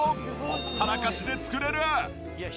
ほったらかしで作れる！